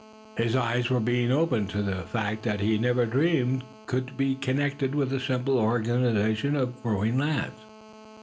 His eyes were being opened to facts that he had never dreamed could be connected with a simple organization of growing lads.